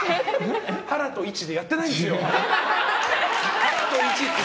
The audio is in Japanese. ハラとイチでやってないんですよ。